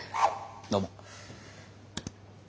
どうも。